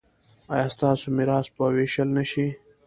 ایا ستاسو میراث به ویشل نه شي؟